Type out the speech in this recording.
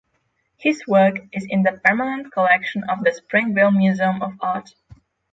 His work is in the permanent collection of the Springville Museum of Art.